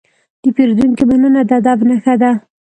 د پیرودونکي مننه د ادب نښه ده.